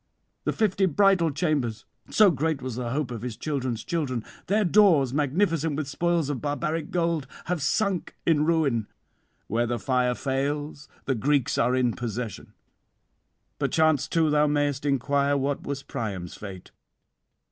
The fifty bridal chambers so great was the hope of his children's children their doors magnificent with spoils of barbaric gold, have sunk in ruin; where the fire fails the Greeks are in possession. 'Perchance too thou mayest inquire what was Priam's fate.